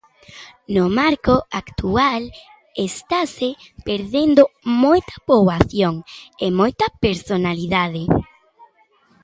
No marco actual, estase perdendo moita poboación e moita personalidade.